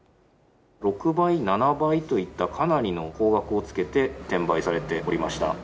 ６倍、７倍といったかなりの高額をつけて、転売されておりました。